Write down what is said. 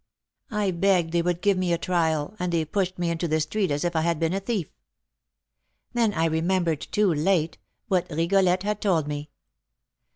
I begged they would give me a trial, and they pushed me into the street as if I had been a thief. Then I remembered, too late, what Rigolette had told me.